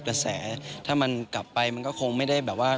กระแสถ้ามันกลับไปมันก็คงไม่ได้แบบว่า